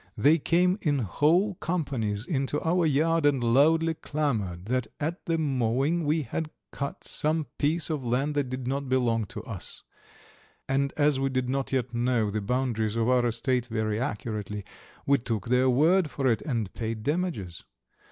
They came in whole companies into our yard, and loudly clamoured that at the mowing we had cut some piece of land that did not belong to us; and as we did not yet know the boundaries of our estate very accurately, we took their word for it and paid damages.